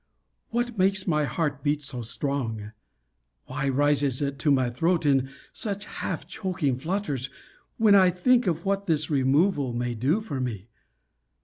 What makes my heart beat so strong? Why rises it to my throat in such half choking flutters, when I think of what this removal may do for me?